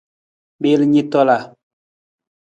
Miil ni tola.